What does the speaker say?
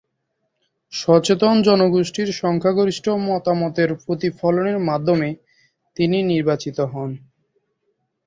সচেতন জনগোষ্ঠীর সংখ্যাগরিষ্ঠ মতামতের প্রতিফলনের মাধ্যমে তিনি নির্বাচিত হন।